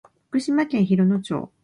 福島県広野町